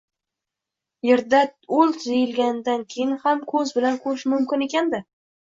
Yerda “o‘ldi” deyilganidan keyin ham ko‘z bilan ko‘rish mumkin ekan-da